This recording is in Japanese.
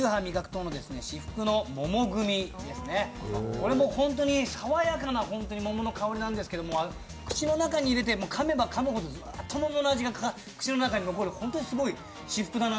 これもホントにさわやかな桃の香りなんですけど口の中に入れてかめばかむほど桃の香りが残って本当にすごい至福だな。